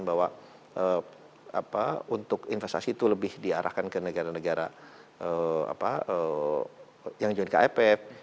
bahwa untuk investasi itu lebih diarahkan ke negara negara yang jualan ke ipf